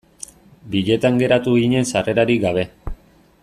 Bietan geratu ginen sarrerarik gabe.